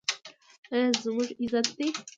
دا زموږ عزت دی